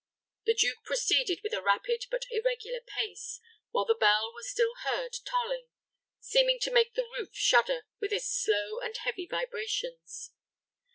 The duke proceeded with a rapid but irregular pace, while the bell was still heard tolling, seeming to make the roof shudder with its slow and heavy vibrations.